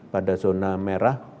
pada zona merah